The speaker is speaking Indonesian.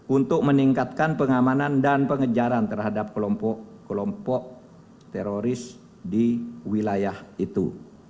untuk meningkatkan pengamanan dan pengejaran terhadap kelompok teroris di wilayah itu